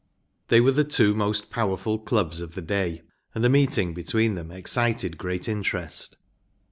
They were the two most powerful clubs of the day, and the meeting between them excited great interest.